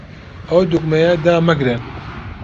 ئەو دوگمەیە دامەگرن.